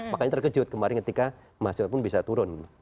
makanya terkejut kemarin ketika mahasiswa pun bisa turun